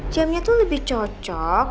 jamnya tuh lebih cocok